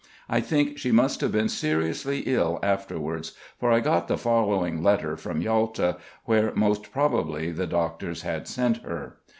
I think she must have been seriously ill afterwards, for I got the following letter from Yalta, where most probably the doctors had sent her.